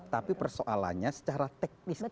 tapi persoalannya secara teknis